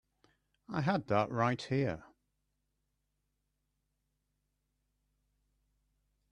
I had that right here.